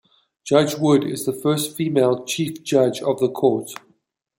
Judge Wood is the first female chief judge of the court.